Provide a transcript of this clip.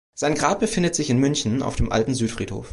Sein Grab befindet sich in München auf dem Alten Südfriedhof.